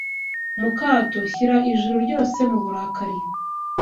mu kato, Shyira Ijuru ryose mu burakari